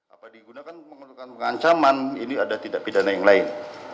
apa digunakan untuk mengatakan pengancaman ini ada tidak pidana yang lain